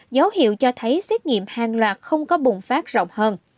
dấu hiệu cho thấy xét nghiệm hàng loạt không có bùng phát rộng hơn